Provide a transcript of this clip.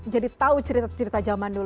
jadi tahu cerita cerita jaman